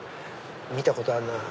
見たことあるなぁ。